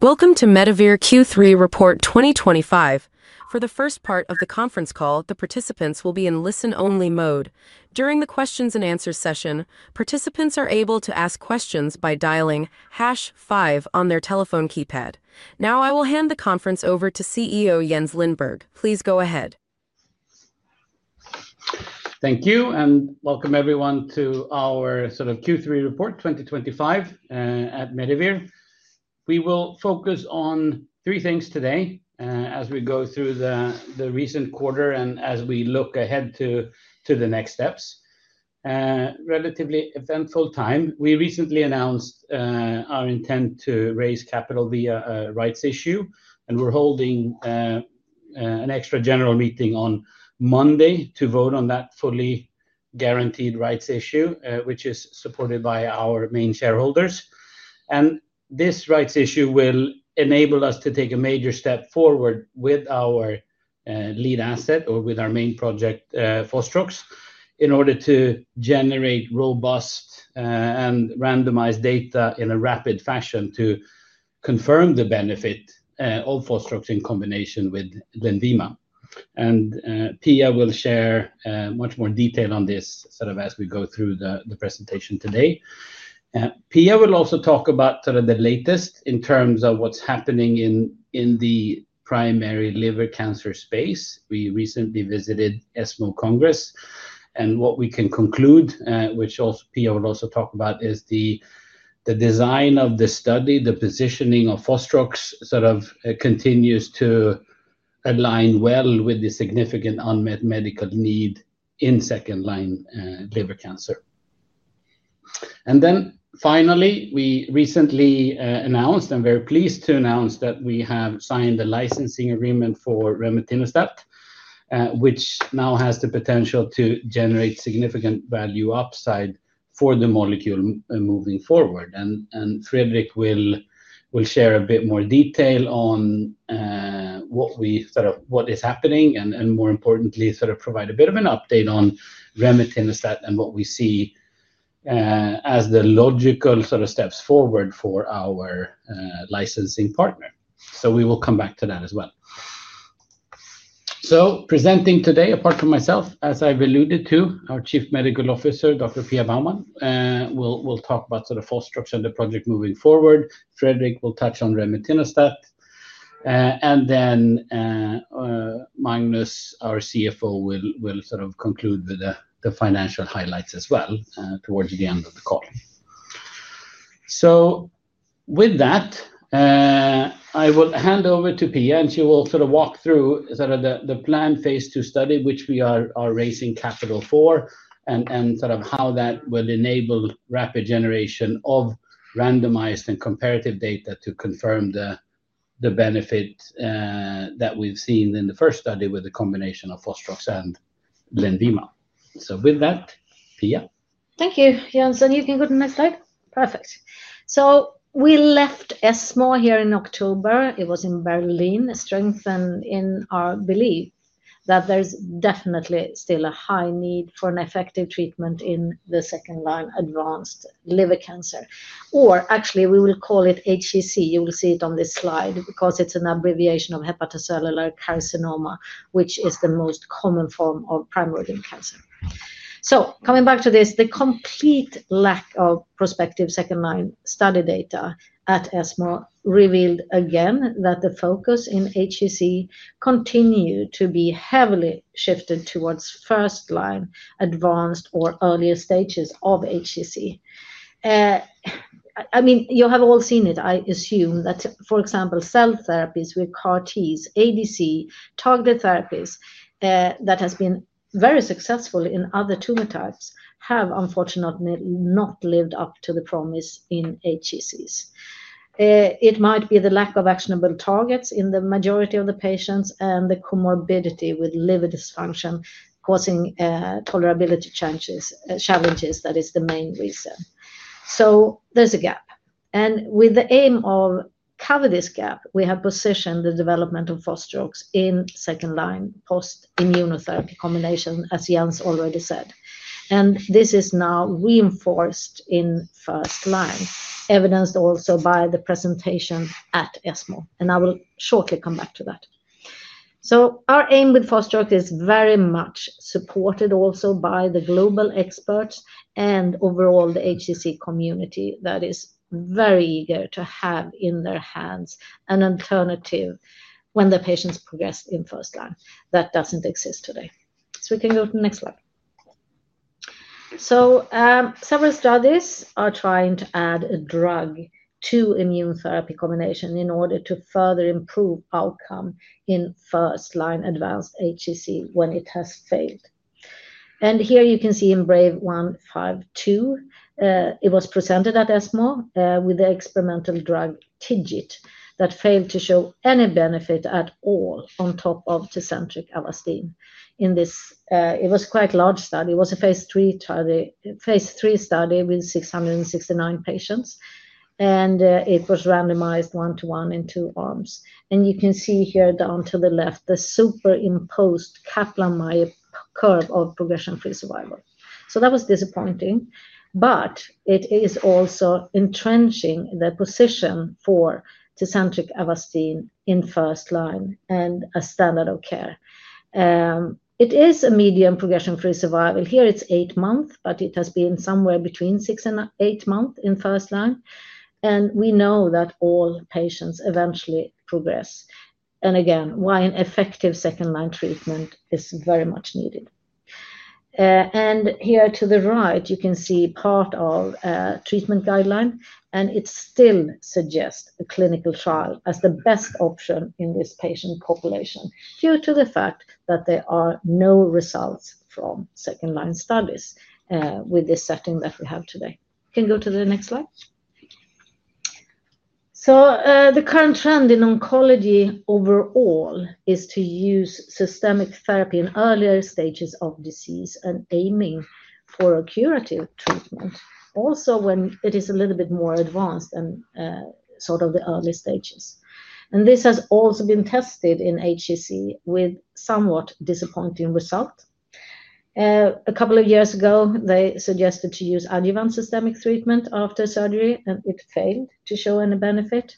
Welcome to Medivir Q3 Report 2025. For the first part of the conference call, the participants will be in listen-only mode. During the questions-and-answers session, participants are able to ask questions by dialing hash five on their telephone keypad. Now, I will hand the conference over to CEO Jens Lindberg. Please go ahead. Thank you, and welcome everyone to our sort of Q3 Report 2025 at Medivir. We will focus on three things today as we go through the recent quarter and as we look ahead to the next steps. Relatively eventful time. We recently announced our intent to raise capital via a rights issue, and we are holding an extra general meeting on Monday to vote on that fully guaranteed rights issue, which is supported by our main shareholders. This rights issue will enable us to take a major step forward with our lead asset, or with our main project, fostrox, in order to generate robust and randomized data in a rapid fashion to confirm the benefit of fostrox in combination with Lenvima. Pia will share much more detail on this sort of as we go through the presentation today. Pia will also talk about sort of the latest in terms of what is happening in the primary liver cancer space. We recently visited ESMO Congress, and what we can conclude, which Pia will also talk about, is the design of the study, the positioning of fostrox sort of continues to align well with the significant unmet medical need in second-line liver cancer. Finally, we recently announced, I am very pleased to announce, that we have signed a licensing agreement for Remetinostat, which now has the potential to generate significant value upside for the molecule moving forward. Fredrik will share a bit more detail on what is happening and, more importantly, sort of provide a bit of an update on Remetinostat and what we see as the logical sort of steps forward for our licensing partner. We will come back to that as well. Presenting today, apart from myself, as I have alluded to, our Chief Medical Officer, Dr. Pia Baumann, will talk about sort of fostrox and the project moving forward. Fredrik will touch on Remetinostat. Magnus, our CFO, will sort of conclude with the financial highlights as well towards the end of the call. With that, I will hand over to Pia, and she will sort of walk through sort of the planned phase II study, which we are raising capital for, and sort of how that will enable rapid generation of randomized and comparative data to confirm the benefit that we have seen in the first study with the combination of fostrox and Lenvima. With that, Pia. Thank you, Jens. You can go to the next slide. Perfect. We left ESMO here in October. It was in Berlin. Strengthened in our belief that there's definitely still a high need for an effective treatment in the second-line advanced liver cancer. Or actually, we will call it HCC. You will see it on this slide because it's an abbreviation of hepatocellular carcinoma, which is the most common form of primary liver cancer. Coming back to this, the complete lack of prospective second-line study data at ESMO revealed again that the focus in HCC continued to be heavily shifted towards first-line advanced or earlier stages of HCC. I mean, you have all seen it, I assume, that, for example, cell therapies with CAR-Ts, ADC, targeted therapies that have been very successful in other tumor types have unfortunately not lived up to the promise in HCCs. It might be the lack of actionable targets in the majority of the patients and the comorbidity with liver dysfunction causing tolerability challenges. That is the main reason. There is a gap. With the aim of covering this gap, we have positioned the development of fostrox in second-line post-immunotherapy combination, as Jens already said. This is now reinforced in first-line, evidenced also by the presentation at ESMO. I will shortly come back to that. Our aim with fostrox is very much supported also by the global experts and overall the HCC community that is very eager to have in their hands an alternative when the patients progress in first-line. That does not exist today. We can go to the next slide. Several studies are trying to add a drug to immunotherapy combination in order to further improve outcome in first-line advanced HCC when it has failed. Here you can see in IMbrave152, it was presented at ESMO with the experimental drug TIGIT that failed to show any benefit at all on top of Tecentriq + Avastin. It was quite a large study. It was a phase III study with 669 patients, and it was randomized 1:1 in two arms. You can see here down to the left, the superimposed Kaplan-Meier curve of progression-free survival. That was disappointing, but it is also entrenching the position for Tecentriq + Avastin in first-line and a standard of care. It is a median progression-free survival. Here, it is eight months, but it has been somewhere between six and eight months in first-line. We know that all patients eventually progress. Again, why an effective second-line treatment is very much needed. Here to the right, you can see part of a treatment guideline, and it still suggests a clinical trial as the best option in this patient population due to the fact that there are no results from second-line studies with this setting that we have today. You can go to the next slide. The current trend in oncology overall is to use systemic therapy in earlier stages of disease and aiming for a curative treatment, also when it is a little bit more advanced than sort of the early stages. This has also been tested in HCC with somewhat disappointing results. A couple of years ago, they suggested to use adjuvant systemic treatment after surgery, and it failed to show any benefit.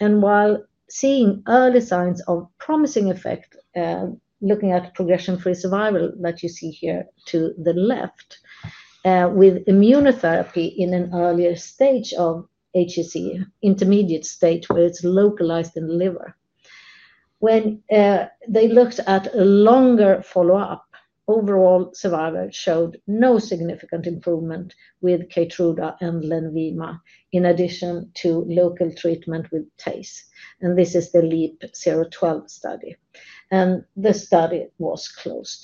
While seeing early signs of promising effect, looking at progression-free survival that you see here to the left, with immunotherapy in an earlier stage of HCC, intermediate stage where it is localized in the liver. When they looked at a longer follow-up, overall survival showed no significant improvement with Keytruda and Lenvima, in addition to local treatment with TACE. This is the LEAP-012 study. The study was closed.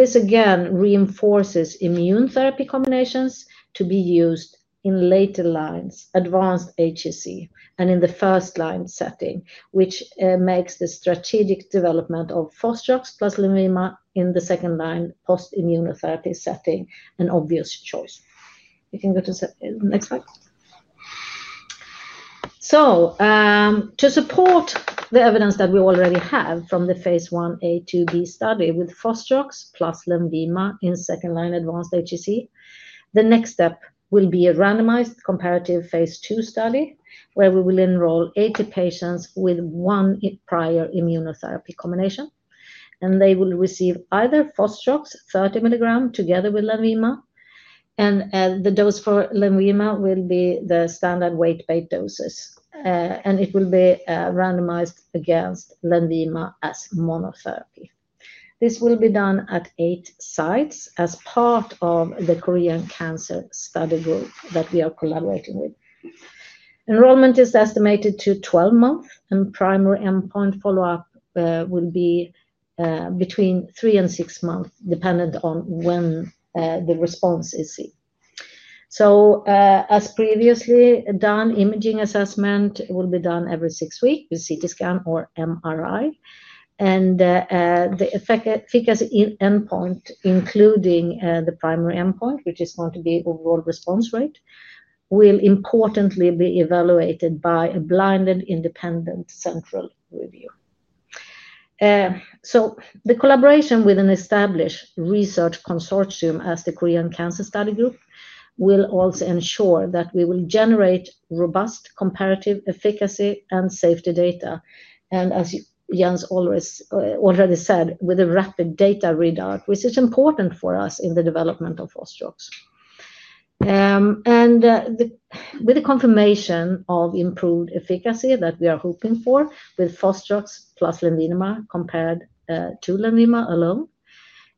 This again reinforces immune therapy combinations to be used in later lines, advanced HCC, and in the first-line setting, which makes the strategic development of fostrox + Lenvima in the second-line post-immunotherapy setting an obvious choice. You can go to the next slide. To support the evidence that we already have from the phase I-A/II-B study with fostrox + Lenvima in second-line advanced HCC, the next step will be a randomized comparative phase II study where we will enroll 80 patients with one prior immunotherapy combination. They will receive either fostrox 30 mg together with Lenvima. The dose for Lenvima will be the standard weight-based doses. It will be randomized against Lenvima as monotherapy. This will be done at eight sites as part of the Korean Cancer Study Group that we are collaborating with. Enrollment is estimated to 12 months, and primary endpoint follow-up will be between three and six months, dependent on when the response is seen. As previously done, imaging assessment will be done every six weeks with CT scan or MRI. The efficacy endpoint, including the primary endpoint, which is going to be overall response rate, will importantly be evaluated by a blinded independent central review. The collaboration with an established research consortium as the Korean Cancer Study Group will also ensure that we will generate robust comparative efficacy and safety data. As Jens already said, with a rapid data reduction, which is important for us in the development of fostrox. With the confirmation of improved efficacy that we are hoping for with fostrox + Lenvima compared to Lenvima alone.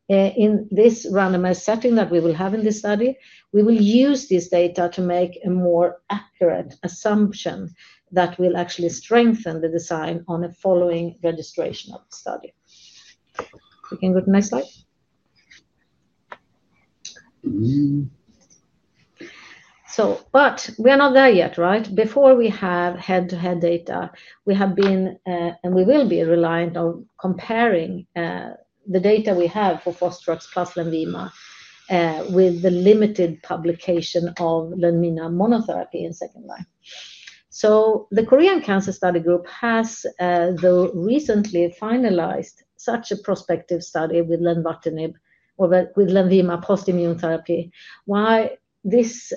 In this randomized setting that we will have in this study, we will use this data to make a more accurate assumption that will actually strengthen the design on a following registration of the study. You can go to the next slide. We are not there yet, right? Before we have head-to-head data, we have been, and we will be, reliant on comparing the data we have for fostrox + Lenvima. With the limited publication of Lenvima monotherapy in second-line. The Korean Cancer Study Group has recently finalized such a prospective study with Lenvima post-immunotherapy. Why this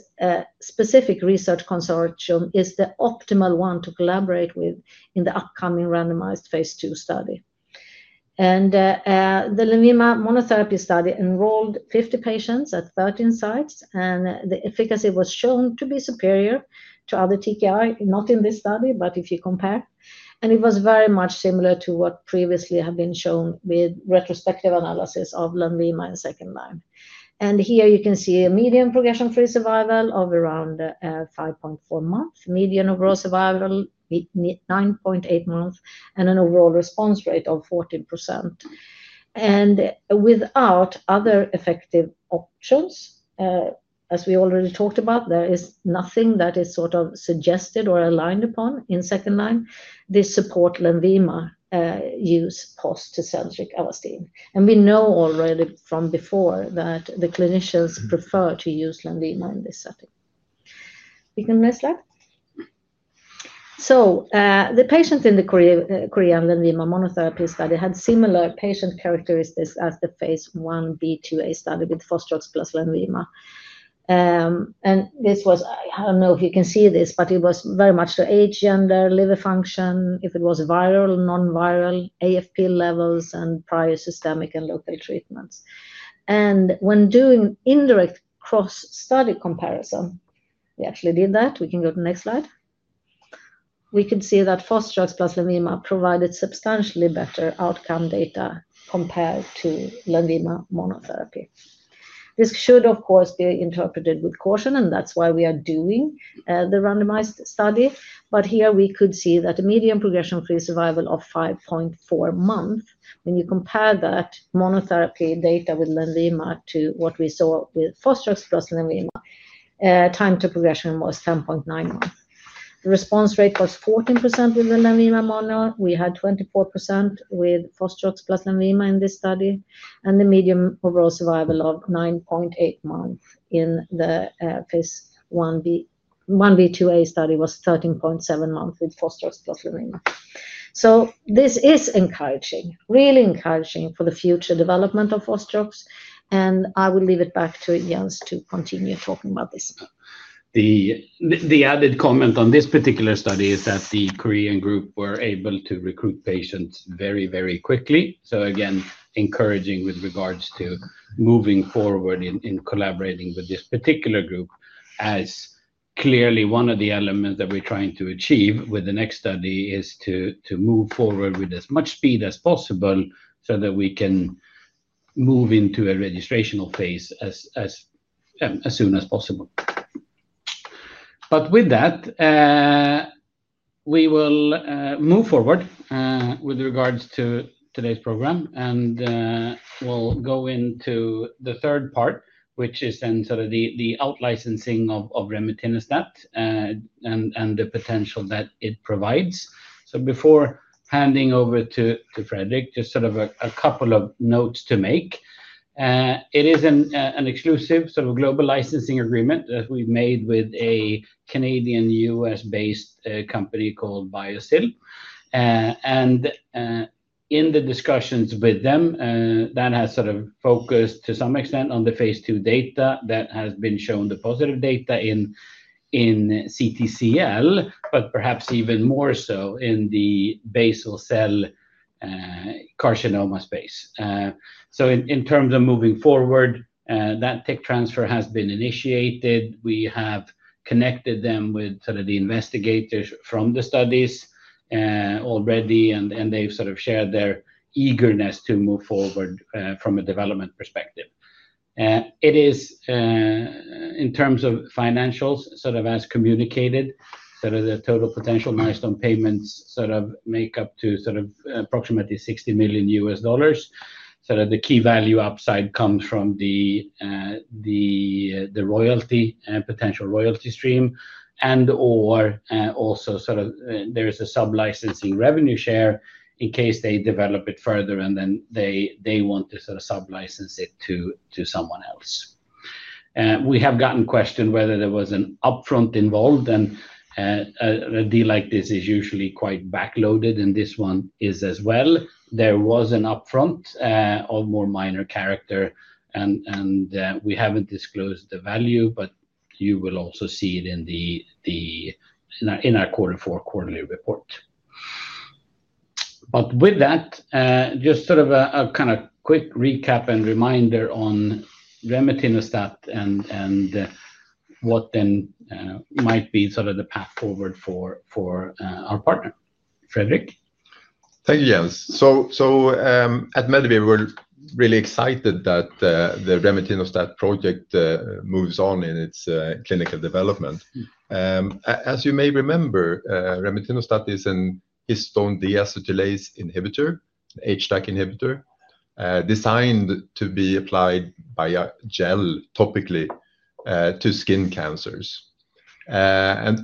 specific research consortium is the optimal one to collaborate with in the upcoming randomized phase II study. The Lenvima monotherapy study enrolled 50 patients at 13 sites, and the efficacy was shown to be superior to other TKI, not in this study, but if you compare. It was very much similar to what previously had been shown with retrospective analysis of Lenvima in second-line. Here you can see a median progression-free survival of around 5.4 months, median overall survival 9.8 months, and an overall response rate of 14%. Without other effective options, as we already talked about, there is nothing that is sort of suggested or aligned upon in second-line. This supports Lenvima use post-Tecentriq + Avastin. We know already from before that the clinicians prefer to use Lenvima in this setting. You can go to the next slide. The patient in the Korean Lenvima monotherapy study had similar patient characteristics as the phase I-B/II-A study with fostrox + Lenvima. This was, I do not know if you can see this, but it was very much the age, gender, liver function, if it was viral, non-viral, AFP levels, and prior systemic and local treatments. When doing indirect cross-study comparison, we actually did that. We can go to the next slide. We could see that fostrox + Lenvima provided substantially better outcome data compared to Lenvima monotherapy. This should, of course, be interpreted with caution, and that's why we are doing the randomized study. Here we could see that a median progression-free survival of 5.4 months, when you compare that monotherapy data with Lenvima to what we saw with fostrox + Lenvima, time to progression was 10.9 months. The response rate was 14% with the Lenvima monotherapy. We had 24% with fostrox + Lenvima in this study. The median overall survival of 9.8 months in the phase I-B/II-A study was 13.7 months with fostrox + Lenvima. This is encouraging, really encouraging for the future development of fostrox. I will leave it back to Jens to continue talking about this. The added comment on this particular study is that the Korean group were able to recruit patients very, very quickly. Again, encouraging with regards to moving forward in collaborating with this particular group, as clearly one of the elements that we're trying to achieve with the next study is to move forward with as much speed as possible so that we can move into a registrational phase as soon as possible. With that, we will move forward with regards to today's program. We'll go into the third part, which is then sort of the outlicensing of Remetinostat and the potential that it provides. Before handing over to Fredrik, just sort of a couple of notes to make. It is an exclusive sort of global licensing agreement that we've made with a Canadian-U.S.-based company called Biossil. In the discussions with them, that has sort of focused to some extent on the phase II data that has been shown, the positive data in CTCL, but perhaps even more so in the basal cell carcinoma space. In terms of moving forward, that tech transfer has been initiated. We have connected them with sort of the investigators from the studies already, and they've sort of shared their eagerness to move forward from a development perspective. It is. In terms of financials, sort of as communicated, sort of the total potential milestone payments sort of make up to approximately $60 million. The key value upside comes from the royalty and potential royalty stream and/or also sort of there is a sublicensing revenue share in case they develop it further and then they want to sort of sublicense it to someone else. We have gotten questions whether there was an upfront involved. A deal like this is usually quite backloaded, and this one is as well. There was an upfront of more minor character, and we haven't disclosed the value, but you will also see it in our quarter four quarterly report. With that, just sort of a kind of quick recap and reminder on Remetinostat and what then might be sort of the path forward for our partner, Fredrik. Thank you, Jens. At Medivir, we're really excited that the Remetinostat project moves on in its clinical development. As you may remember, Remetinostat is a histone deacetylase inhibitor, HDAC inhibitor. Designed to be applied by gel topically to skin cancers. You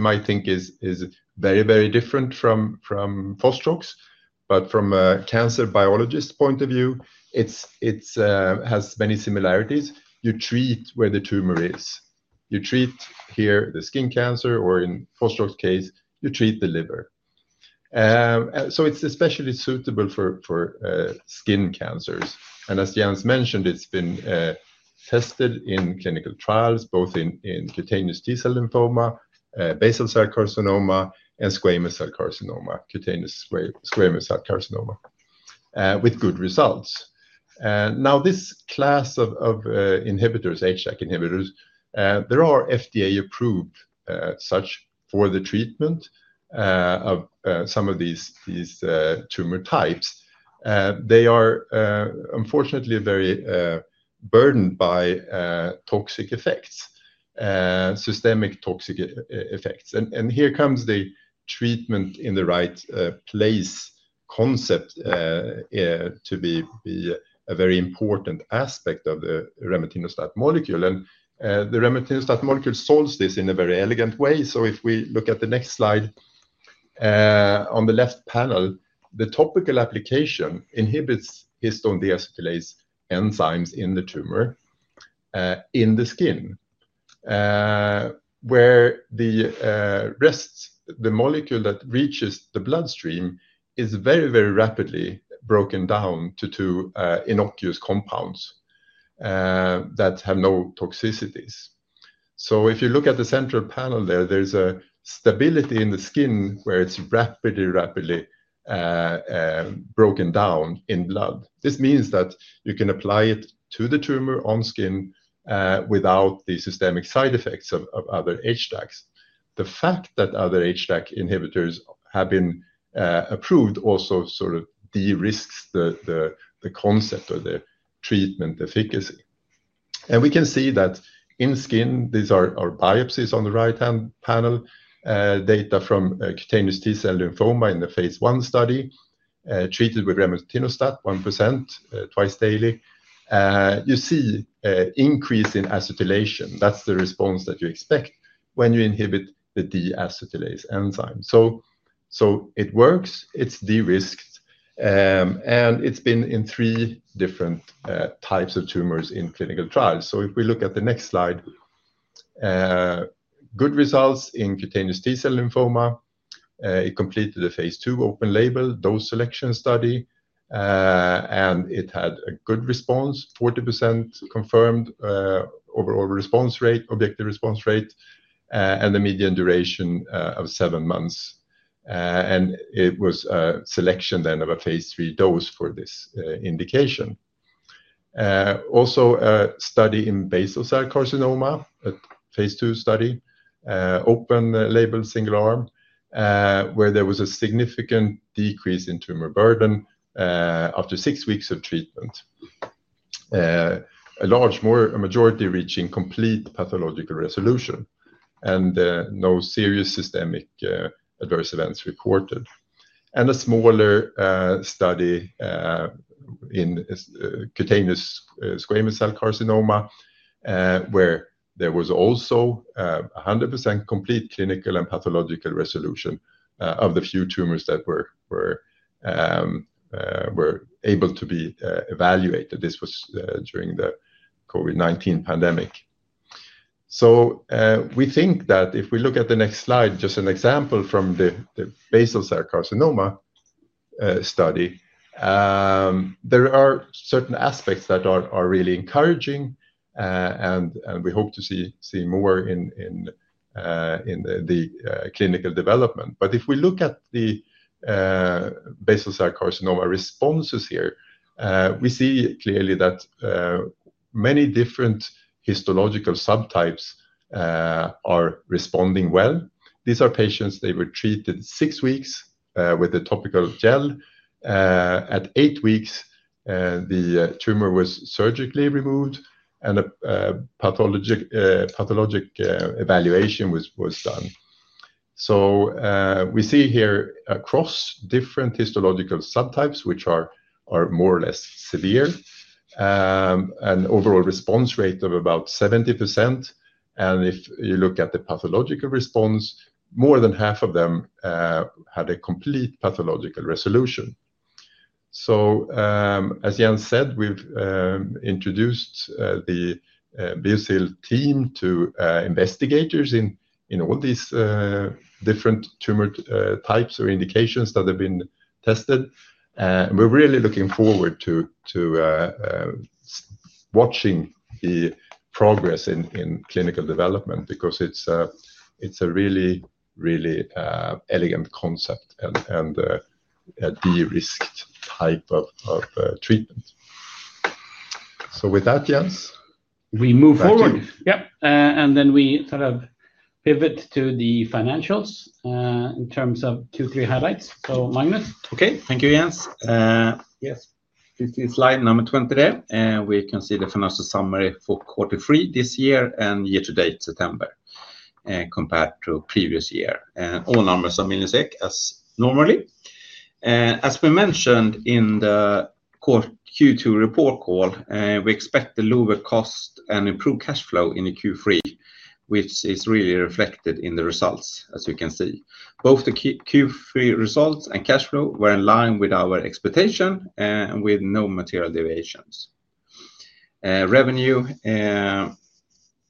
might think this is very, very different from fostrox, but from a cancer biologist point of view, it has many similarities. You treat where the tumor is. You treat here the skin cancer, or in fostrox's case, you treat the liver. It is especially suitable for skin cancers. As Jens mentioned, it has been tested in clinical trials, both in cutaneous T-cell lymphoma, basal cell carcinoma, and squamous cell carcinoma, cutaneous squamous cell carcinoma, with good results. Now, this class of inhibitors, HDAC inhibitors, there are FDA-approved such for the treatment of some of these tumor types. They are, unfortunately, very burdened by toxic effects. Systemic toxic effects. Here comes the treatment in the right place concept. To be a very important aspect of the Remetinostat molecule. The Remetinostat molecule solves this in a very elegant way. If we look at the next slide. On the left panel, the topical application inhibits histone deacetylase enzymes in the tumor. In the skin. Where the molecule that reaches the bloodstream is very, very rapidly broken down to two innocuous compounds that have no toxicities. If you look at the central panel there, there is a stability in the skin where it is rapidly, rapidly broken down in blood. This means that you can apply it to the tumor on skin without the systemic side effects of other HDACs. The fact that other HDAC inhibitors have been approved also sort of de-risks the concept or the treatment efficacy. We can see that in skin, these are our biopsies on the right-hand panel. Data from cutaneous T-cell lymphoma in the phase I study. Treated with Remetinostat 1% twice daily. You see an increase in acetylation. That is the response that you expect when you inhibit the deacetylase enzyme. It works. It is de-risked. It has been in three different types of tumors in clinical trials. If we look at the next slide, good results in cutaneous T-cell lymphoma. It completed a phase II open-label dose selection study. It had a good response, 40% confirmed overall response rate, objective response rate, and a median duration of seven months. It was a selection then of a phase III dose for this indication. Also, a study in basal cell carcinoma, a phase II study. Open-label, single-arm. Where there was a significant decrease in tumor burden after six weeks of treatment. A large majority reaching complete pathological resolution. No serious systemic adverse events reported. A smaller study in cutaneous squamous cell carcinoma, where there was also 100% complete clinical and pathological resolution of the few tumors that were able to be evaluated. This was during the COVID-19 pandemic. We think that if we look at the next slide, just an example from the basal cell carcinoma study, there are certain aspects that are really encouraging. We hope to see more in the clinical development. If we look at the basal cell carcinoma responses here, we see clearly that many different histological subtypes are responding well. These are patients; they were treated six weeks with a topical gel. At eight weeks, the tumor was surgically removed, and a pathologic evaluation was done. We see here across different histological subtypes, which are more or less severe. An overall response rate of about 70%. If you look at the pathological response, more than half of them had a complete pathological resolution. As Jens said, we have introduced the Biossil team to investigators in all these different tumor types or indications that have been tested. We are really looking forward to watching the progress in clinical development because it is a really, really elegant concept and a de-risked type of treatment. With that, Jens. We move forward. Yep. And then we sort of pivot to the financials in terms of two, three highlights. So Magnus. Okay. Thank you, Jens. Yes. This is slide number 23. We can see the financial summary for quarter three this year and year-to-date September. Compared to previous year. And all numbers are million SEK as normally. As we mentioned in the Q2 report call, we expect the lower cost and improved cash flow in Q3, which is really reflected in the results, as you can see. Both the Q3 results and cash flow were in line with our expectation and with no material deviations. Revenue for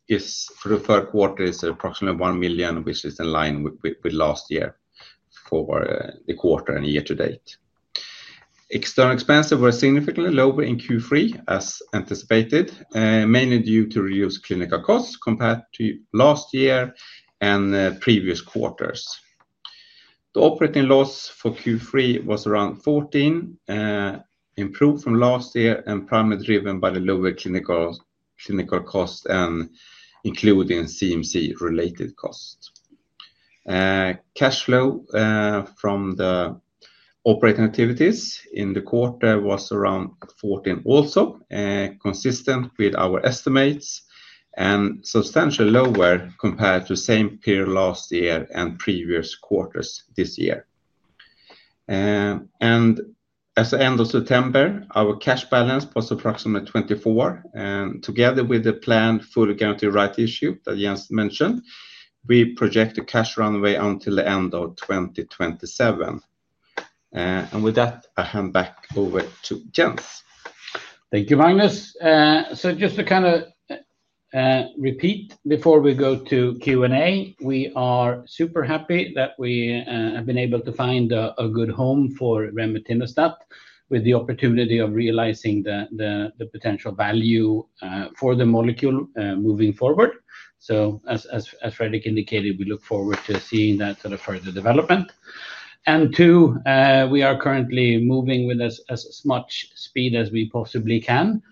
the third quarter is approximately 1 million, which is in line with last year for the quarter and year-to-date. External expenses were significantly lower in Q3, as anticipated, mainly due to reduced clinical costs compared to last year and previous quarters. The operating loss for Q3 was around 14 million. Improved from last year and primarily driven by the lower clinical cost and including CMC-related cost. Cash flow from the. Operating activities in the quarter was around 14 million also, consistent with our estimates, and substantially lower compared to the same period last year and previous quarters this year. At the end of September, our cash balance was approximately 24 million. Together with the planned fully guaranteed rights issue that Jens mentioned, we projected cash runway until the end of 2027. With that, I hand back over to Jens. Thank you, Magnus. Just to kind of repeat before we go to Q&A, we are super happy that we have been able to find a good home for Remetinostat with the opportunity of realizing the potential value for the molecule moving forward. As Fredrik indicated, we look forward to seeing that sort of further development. We are currently moving with as much speed as we possibly can.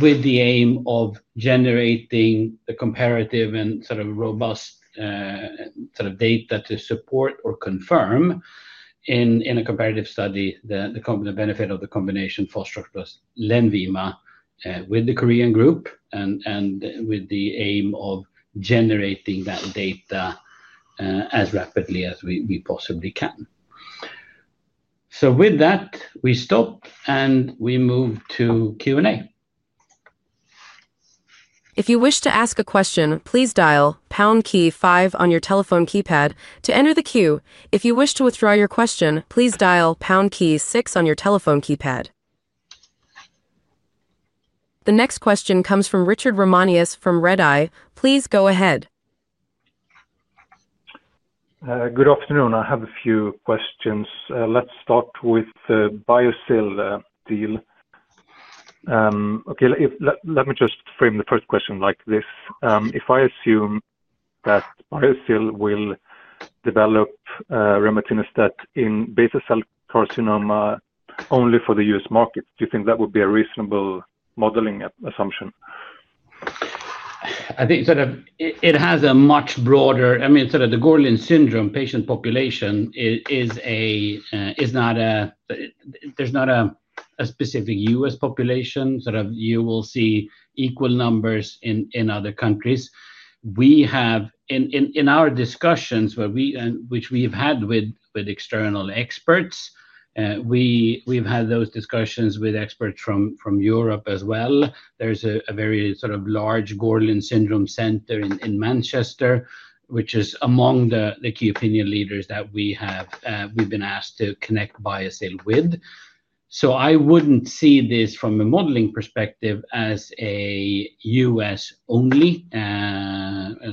With the aim of generating the comparative and sort of robust, sort of data to support or confirm, in a comparative study, the benefit of the combination fostrox + Lenvima with the Korean group and with the aim of generating that data as rapidly as we possibly can. With that, we stop and we move to Q&A. If you wish to ask a question, please dial pound key five on your telephone keypad to enter the queue. If you wish to withdraw your question, please dial pound key six on your telephone keypad. The next question comes from Richard Ramanius from Redeye. Please go ahead. Good afternoon. I have a few questions. Let's start with the Biossil deal. Okay. Let me just frame the first question like this. If I assume that Biossil will develop Remetinostat in basal cell carcinoma only for the U.S. market, do you think that would be a reasonable modeling assumption? I think sort of it has a much broader—I mean, sort of the Gorlin syndrome patient population is not a—there's not a specific U.S. population. Sort of you will see equal numbers in other countries. In our discussions, which we've had with external experts. We've had those discussions with experts from Europe as well. There's a very sort of large Gorlin syndrome center in Manchester, which is among the key opinion leaders that we've been asked to connect Biossil with. I wouldn't see this from a modeling perspective as a U.S.-only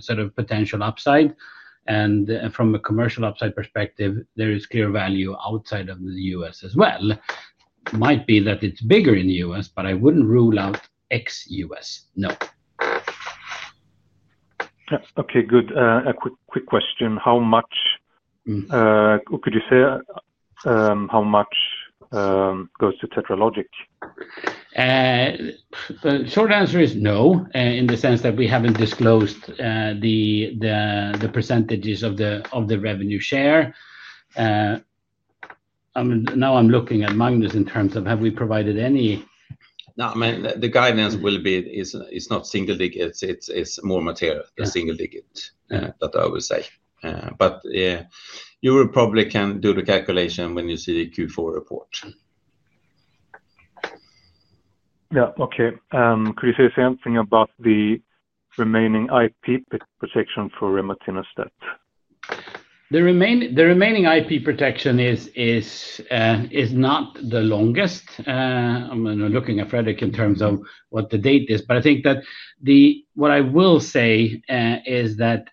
sort of potential upside. From a commercial upside perspective, there is clear value outside of the U.S. as well. It might be that it's bigger in the U.S., but I wouldn't rule out ex-U.S. No. Okay. Good. A quick question. How much could you say? How much goes to TetraLogic? The short answer is no in the sense that we haven't disclosed the percentages of the revenue share. Now I'm looking at Magnus in terms of have we provided any. No. I mean, the guidance will be it's not single digits. It's more material than single digit that I would say. You probably can do the calculation when you see the Q4 report. Yeah. Okay. Could you say something about the remaining IP protection for Remetinostat? The remaining IP protection is not the longest. I'm looking at Fredrik in terms of what the date is. I think that what I will say is that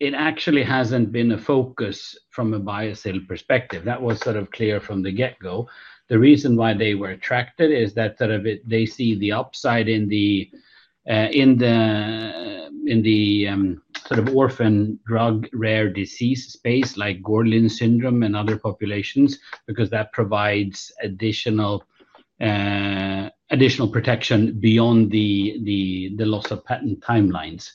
it actually hasn't been a focus from a Biossil perspective. That was sort of clear from the get-go. The reason why they were attracted is that they see the upside in the sort of orphan drug rare disease space like Gorlin syndrome and other populations because that provides additional protection beyond the loss of patent timelines.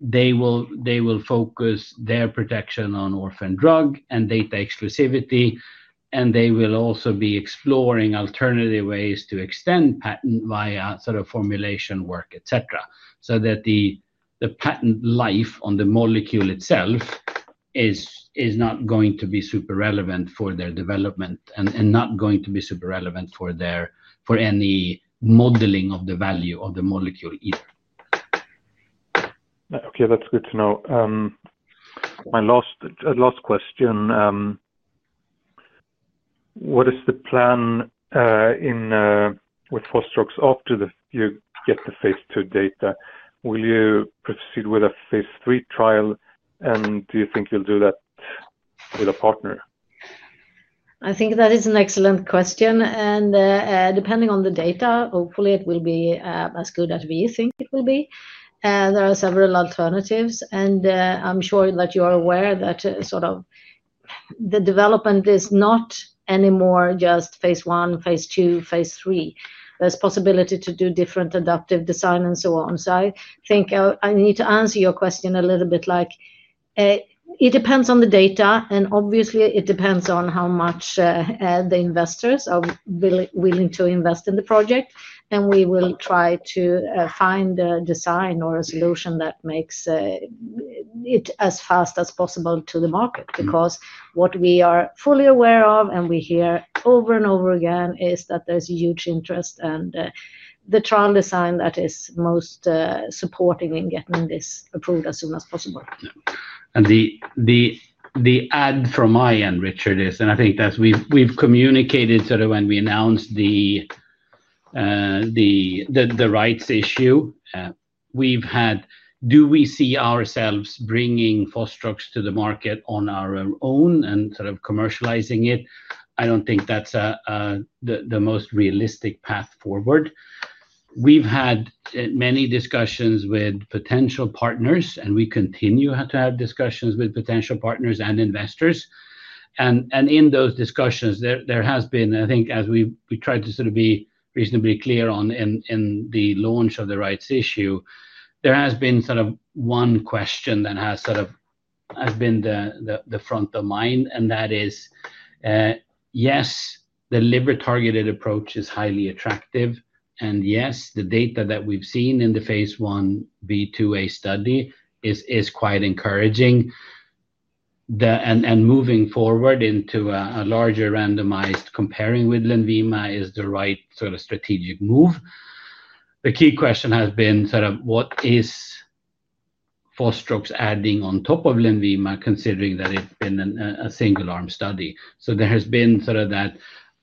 They will focus their protection on orphan drug and data exclusivity. They will also be exploring alternative ways to extend patent via formulation work, etc., so that the patent life on the molecule itself is not going to be super relevant for their development and not going to be super relevant for. Any modeling of the value of the molecule either. Okay. That's good to know. My last question. What is the plan with fostrox after you get the phase II data? Will you proceed with a phase III trial? And do you think you'll do that with a partner? I think that is an excellent question. Depending on the data, hopefully, it will be as good as we think it will be. There are several alternatives. I'm sure that you are aware that sort of the development is not anymore just phase I, phase II, phase III. There is possibility to do different adaptive design and so on. I think I need to answer your question a little bit like it depends on the data. Obviously, it depends on how much the investors are willing to invest in the project. We will try to find a design or a solution that makes it as fast as possible to the market because what we are fully aware of and we hear over and over again is that there is huge interest and the trial design that is most supporting in getting this approved as soon as possible. The add from my end, Richard, is—I think that we've communicated sort of when we announced the rights issue. Do we see ourselves bringing fostrox to the market on our own and sort of commercializing it? I don't think that's the most realistic path forward. We've had many discussions with potential partners, and we continue to have discussions with potential partners and investors. In those discussions, there has been—I think as we tried to sort of be reasonably clear on in the launch of the rights issue—there has been sort of one question that has sort of been the front of mind. That is, yes, the liver-targeted approach is highly attractive. Yes, the data that we've seen in the phase I-B/II-A study is quite encouraging. Moving forward into a larger randomized comparing with Lenvima is the right sort of strategic move. The key question has been sort of what is fostrox adding on top of Lenvima, considering that it's been a single-arm study. There has been sort of that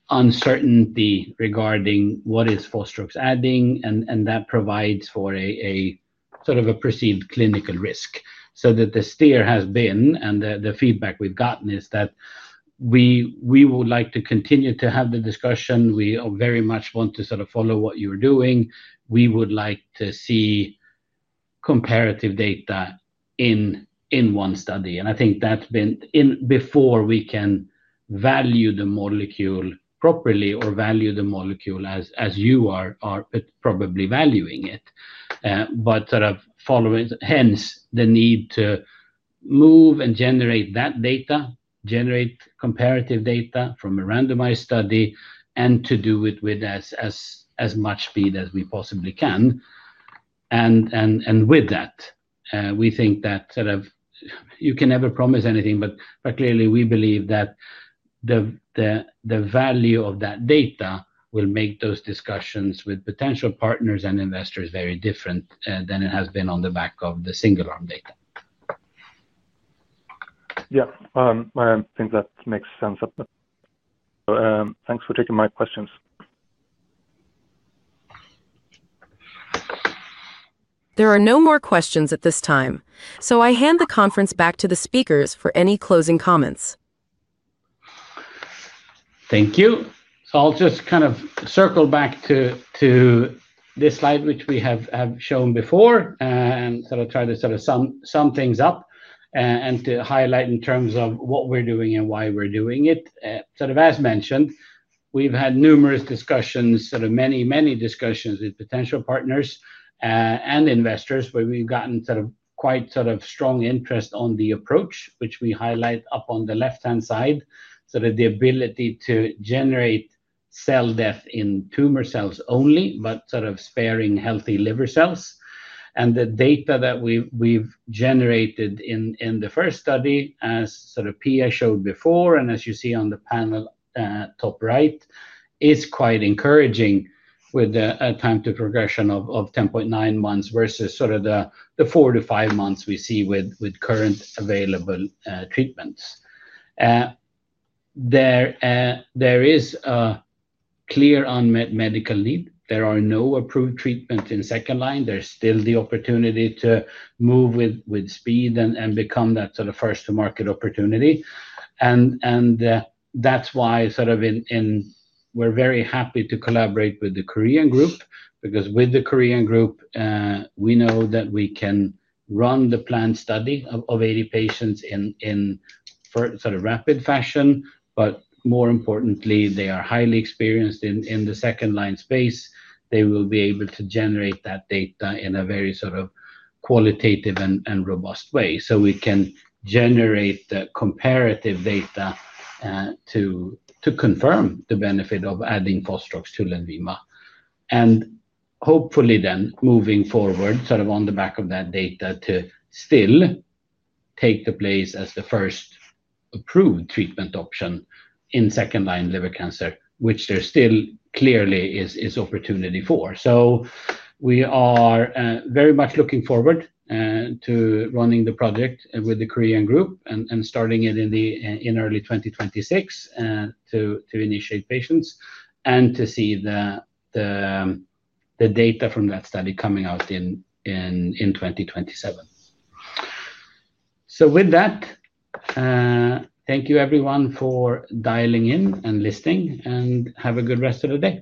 uncertainty regarding what is fostrox adding, and that provides for a sort of a perceived clinical risk. The steer has been, and the feedback we've gotten is that we would like to continue to have the discussion. We very much want to sort of follow what you're doing. We would like to see comparative data in one study. I think that's been before we can value the molecule properly or value the molecule as you are probably valuing it. Hence the need to move and generate that data, generate comparative data from a randomized study, and to do it with as much speed as we possibly can. With that. We think that sort of you can never promise anything, but clearly, we believe that. The value of that data will make those discussions with potential partners and investors very different than it has been on the back of the single-arm data. Yeah. I think that makes sense. Thanks for taking my questions. There are no more questions at this time. So I hand the conference back to the speakers for any closing comments. Thank you. I'll just kind of circle back to this slide, which we have shown before, and sort of try to sort of sum things up. To highlight in terms of what we're doing and why we're doing it. Sort of as mentioned, we've had numerous discussions, sort of many, many discussions with potential partners and investors where we've gotten sort of quite sort of strong interest on the approach, which we highlight up on the left-hand side, sort of the ability to generate cell death in tumor cells only, but sort of sparing healthy liver cells. The data that we've generated in the first study, as sort of Pia showed before and as you see on the panel top right, is quite encouraging with a time to progression of 10.9 months versus the four to five months we see with current available treatments. There is a clear unmet medical need. There are no approved treatments in second line. There's still the opportunity to move with speed and become that sort of first-to-market opportunity. That's why, sort of, we're very happy to collaborate with the Korean group because with the Korean group, we know that we can run the planned study of 80 patients in sort of rapid fashion. More importantly, they are highly experienced in the second-line space. They will be able to generate that data in a very sort of qualitative and robust way. We can generate the comparative data to confirm the benefit of adding fostrox to Lenvima. Hopefully then, moving forward, sort of on the back of that data to still take the place as the first approved treatment option in second-line liver cancer, which there still clearly is opportunity for. We are very much looking forward to running the project with the Korean group and starting it in early 2026 to initiate patients and to see the data from that study coming out in 2027. With that, thank you, everyone, for dialing in and listening, and have a good rest of the day.